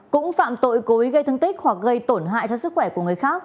cũng phạm tội cố ý gây thương tích hoặc gây tổn hại cho sức khỏe của người khác